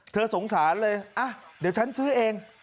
สงสารเลยอ่ะเดี๋ยวฉันซื้อเอง